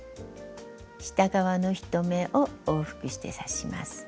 下側の１目を往復して刺します。